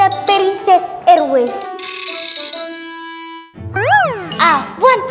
aku itu awak pesawat